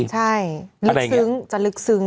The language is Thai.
ใช่ลึกซึ้งจะลึกซึ้ง